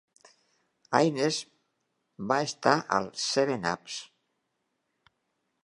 Haines va estar als "Seven-Ups".